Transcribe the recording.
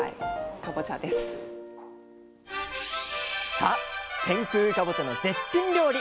さあ天空かぼちゃの絶品料理。